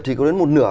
thì có đến một nửa